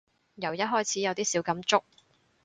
由一開始有啲小感觸